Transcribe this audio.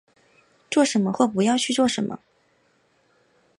做什么或不要去做什么